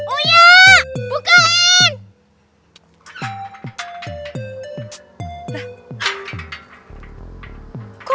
oh ya bukaan